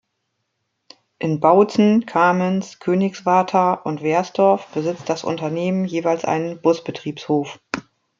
In Bautzen, Kamenz, Königswartha und Wehrsdorf besitzt das Unternehmen jeweils einen Busbetriebshof.